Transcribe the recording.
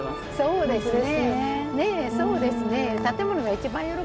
そうですね。